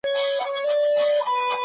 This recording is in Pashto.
بس چي کله قاضي راسي د شپې کورته